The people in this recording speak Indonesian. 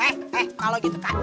eh eh kalo gitu kak